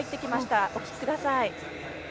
お聞きください。